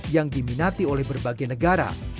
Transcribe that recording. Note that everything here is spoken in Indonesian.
yang diminati oleh berbagai negara